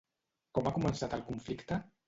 Com ha començat el conflicte?